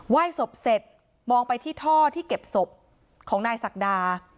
ยศพเสร็จมองไปที่ท่อที่เก็บศพของนายศักดา